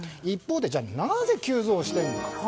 一方で、なぜ急増しているのか。